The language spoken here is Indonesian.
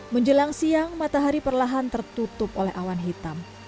menjelang siang matahari perlahan tertutup oleh awan hitam